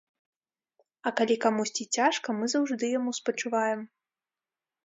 А калі камусьці цяжка, мы заўжды яму спачуваем.